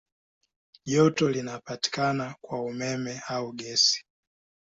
Joto linapatikana kwa umeme au gesi.